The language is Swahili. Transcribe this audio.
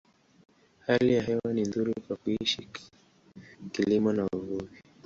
Hali ya hewa ni nzuri kwa kuishi, kilimo, uvuvi.